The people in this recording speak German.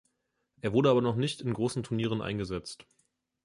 Er wurde aber noch nicht in großen Turnieren eingesetzt.